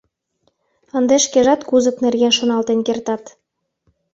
Ынде шкежат кузык нерген шоналтен кертат.